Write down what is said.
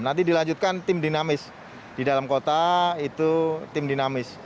nanti dilanjutkan tim dinamis di dalam kota itu tim dinamis